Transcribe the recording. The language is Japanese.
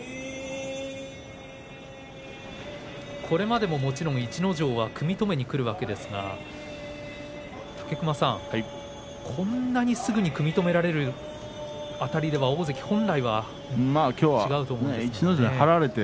これまでも、もちろん逸ノ城は組み止めにくるわけですが武隈さん、こんなにすぐに組み止められるあたりでは新大関は本来ないんですがね。